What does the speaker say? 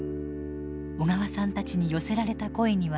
小川さんたちに寄せられた声には。